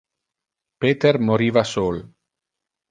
Peter moriva sol.